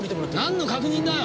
なんの確認だよ！